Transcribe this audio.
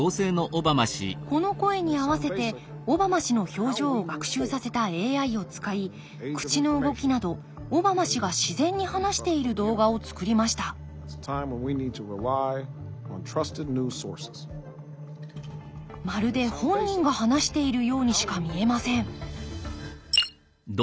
この声に合わせてオバマ氏の表情を学習させたＡＩを使い口の動きなどオバマ氏が自然に話している動画をつくりましたまるで本人が話しているようにしか見えません